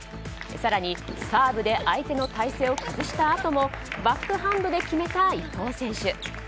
更に、サーブで相手の体勢を崩したあともバックハンドで決めた伊藤選手。